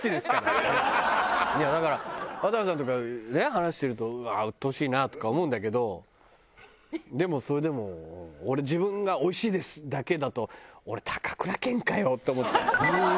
いやだから渡部さんとかね話してるとうわうっとうしいなとか思うんだけどでもそれでも俺自分が「おいしいです」だけだと俺高倉健かよって思っちゃう。